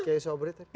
kayak sobret tadi